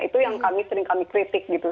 itu yang kami sering kami kritik gitu